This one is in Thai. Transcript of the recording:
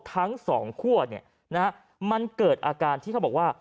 ทั้งสองคั่วมันเกิดอาการที่เขาบอกว่า